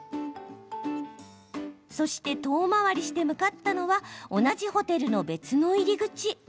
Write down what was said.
そして、遠回りして向かったのは同じホテルの別の入り口。